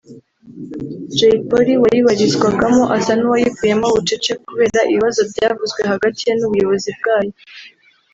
Jay Polly wayibarizwagamo asa n’uwayivuyemo bucece kubera ibibazo byavuzwe hagati ye n’ubuyobozi bwayo